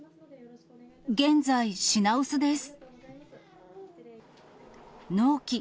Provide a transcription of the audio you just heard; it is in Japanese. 現在品薄です。